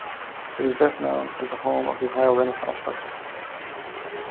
It is best known as the home of the Ohio Renaissance Festival.